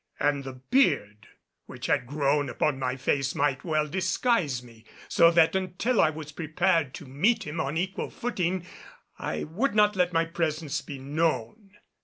And the beard which had grown upon my face might well disguise me; so that until I was prepared to meet him on equal footing I would not let my presence be known.